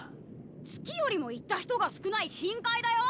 月よりも行った人が少ない深海だよ！